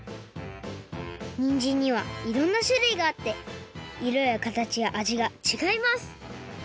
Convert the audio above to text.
にんじんにはいろんなしゅるいがあっていろやかたちやあじがちがいます。